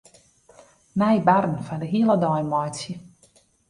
Nij barren foar de hiele dei meitsje.